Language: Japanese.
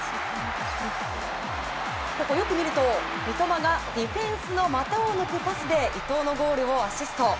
ここ、よく見ると三笘がディフェンスの股を抜くパスで伊東のゴールをアシスト。